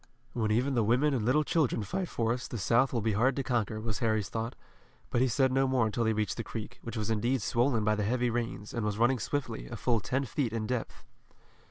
"When even the women and little children fight for us, the South will be hard to conquer," was Harry's thought, but he said no more until they reached the creek, which was indeed swollen by the heavy rains, and was running swiftly, a full ten feet in depth.